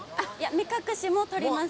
目隠しもとります。